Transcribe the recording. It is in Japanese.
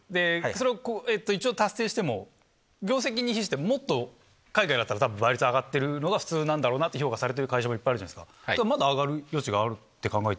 それを一応達成しても業績に比してもっと海外だったら倍率上がってるのが普通って評価されてる会社もいっぱいあるじゃないですか。